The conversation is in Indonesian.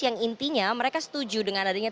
yang intinya mereka setuju dengan adanya